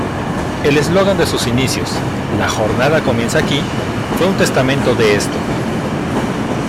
El eslogan de sus inicios, "La jornada comienza aquí", fue un testamento de esto.